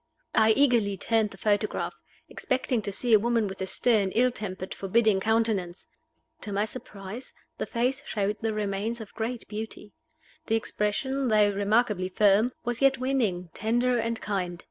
I eagerly turned the photograph, expecting to see a woman with a stern, ill tempered, forbidding countenance. To my surprise, the face showed the remains of great beauty; the expression, though remarkably firm, was yet winning, tender, and kind.